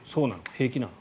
平気なの？